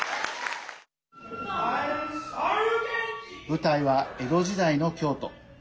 舞台は江戸時代の京都。